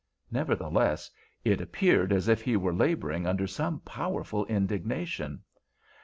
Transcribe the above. Nevertheless, it appeared as if he were laboring under some powerful indignation.